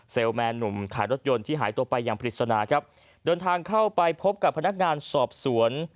แมนหนุ่มขายรถยนต์ที่หายตัวไปอย่างปริศนาครับเดินทางเข้าไปพบกับพนักงานสอบสวน